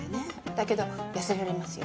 だけど痩せられますよ。